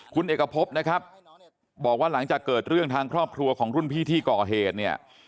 คุณเอกพบนะครับบอกว่าหลังจากเกิดเรื่องทางครอบครัวของรุ่นพี่ที่ก่อเหตุเนี่ย